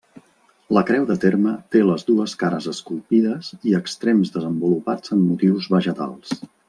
La creu de terme té les dues cares esculpides i extrems desenvolupats en motius vegetals.